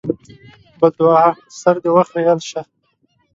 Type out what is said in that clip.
بدوعا: سر دې وخرېيل شه!